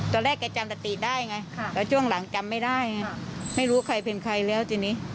แต่ช่วงหลังจำไม่ได้ไม่รู้ใครเป็นใครแล้วทีนี้